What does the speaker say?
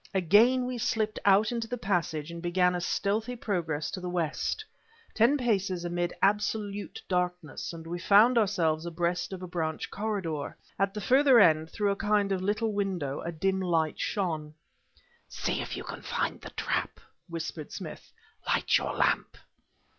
Again we slipped out into the passage and began a stealthy progress to the west. Ten paces amid absolute darkness, and we found ourselves abreast of a branch corridor. At the further end, through a kind of little window, a dim light shone. "See if you can find the trap," whispered Smith; "light your lamp."